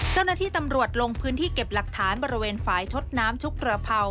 เจ้าหน้าที่ตำรวจลงพื้นที่เก็บหลักฐานบริเวณฝ่ายทดน้ำชุกกระเภา